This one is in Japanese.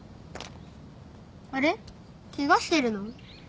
あれケガしてるの？